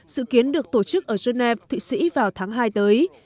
dự kiến được tổ chức ở geneva thụy sĩ vào tháng hai tới